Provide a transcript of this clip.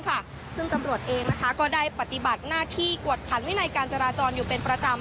ซึ่งตำรวจเองก็ได้ปฏิบัติหน้าที่กวดขันวินัยการจราจรอยู่เป็นประจำ